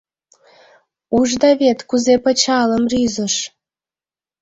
— Ужда вет, кузе пычалым рӱзыш.